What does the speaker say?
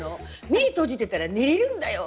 目閉じてたら寝れるんだよ。